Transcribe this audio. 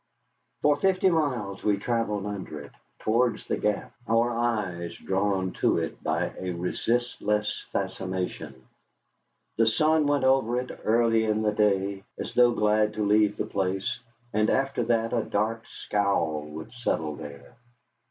For fifty miles we travelled under it, towards the Gap, our eyes drawn to it by a resistless fascination. The sun went over it early in the day, as though glad to leave the place, and after that a dark scowl would settle there.